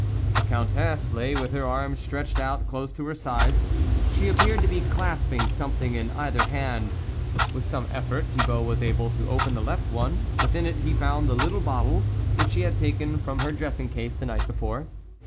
The Countess lay with her arms stretch ed out close to her sides ; she appeared to be clasping something in either hand. With some effort, Thibault was able to open the left one ; within it he found the little bottle, which she had taken from her dressing case the night before.